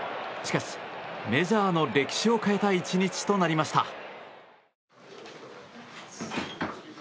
しかし、メジャーの歴史を変えた１日となりました。